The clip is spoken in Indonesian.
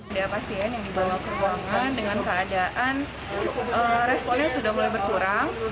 ada pasien yang dibawa ke ruangan dengan keadaan responnya sudah mulai berkurang